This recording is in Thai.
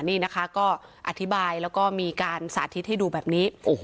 นี่นะคะก็อธิบายแล้วก็มีการสาธิตให้ดูแบบนี้